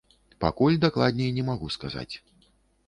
Пакуль дакладней не магу сказаць.